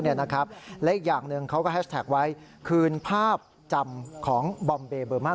และอีกอย่างหนึ่งเขาก็แฮชแท็กไว้คืนภาพจำของบอมเบเบอร์มา